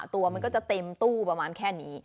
ตัวมันก็จะเต็มตู้ประมาณแค่นี้